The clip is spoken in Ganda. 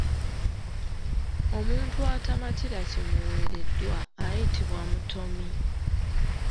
Omuntu atamatira kimuweereddwa ayitibwa mutomi.